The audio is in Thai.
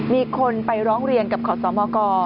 มีคนไปร้องเรียนกับขอสมก